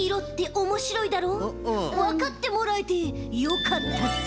わかってもらえてよかったぜ。